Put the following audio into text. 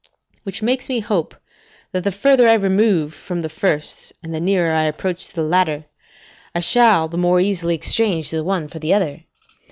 Which makes me hope, that the further I remove from the first, and the nearer I approach to the latter, I shall the more easily exchange the one for the other.